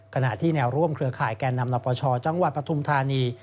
ขณะที่แนวร่วมเครือข่ายแก่นำนปชจังหวัดปฐุมธานี